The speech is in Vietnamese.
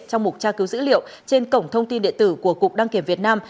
trong mục tra cứu dữ liệu trên cổng thông tin điện tử của cục đăng kiểm việt nam